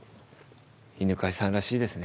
犬飼さんらしいですね。